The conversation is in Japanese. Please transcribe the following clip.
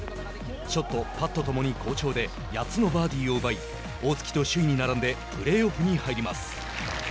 ショット、パット共に好調で８つのバーディーを奪い大槻と首位に並んでプレーオフに入ります。